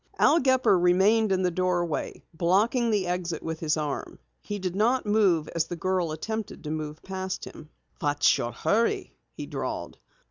Al Gepper remained in the doorway, blocking the exit with his arm. He did not move as the girl attempted to move past him. "What's your hurry?" he drawled.